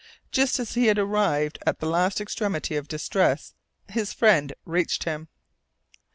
Just as he had arrived at the last extremity of distress his friend reached him.